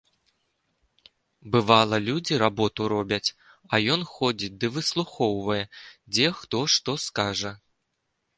Бывала, людзі работу робяць, а ён ходзіць ды выслухоўвае, дзе хто што скажа.